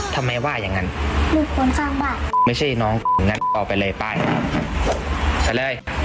เราขาดตัวกันขาดตัวกันขาดตัวกัน